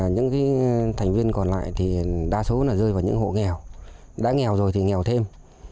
nếu như là rơi vào những hộ nghèo đã nghèo rồi thì nghèo thêm